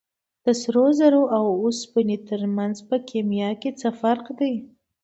د سرو زرو او اوسپنې ترمنځ په کیمیا کې څه فرق دی